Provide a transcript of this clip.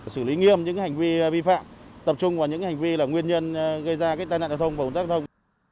xử lý nghiêm những hành vi vi phạm tập trung vào những hành vi là nguyên nhân gây ra tai nạn giao thông và ủng tắc giao thông